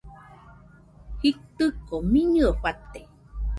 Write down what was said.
Jitɨko miñɨe fate